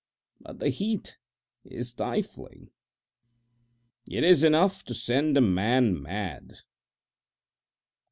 But the heat is stifling. It is enough to send a man mad.